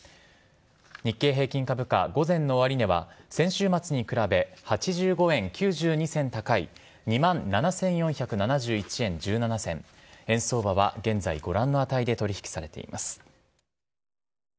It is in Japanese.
日経平均株価、午前の終値は、先週末に比べ、８５円９２銭高い２万７４７１円１７銭、円相場は現在ご覧の値で取り引きされています。